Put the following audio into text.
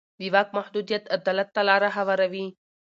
د واک محدودیت عدالت ته لاره هواروي